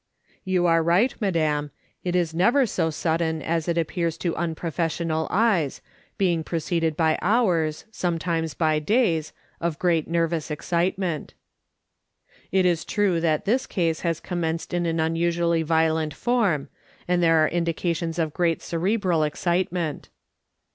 " You are right, madam. It is never so sudden as it appears to unprofessional eyes, being preceded by hours, sometimes by days, of great nervous excitement." l6o MRS. SOLOMOI^ SMITH LOOKING ON. " It is true that tliis case has commenced in an unusually violent form, and there are indications of great cerebral excitement."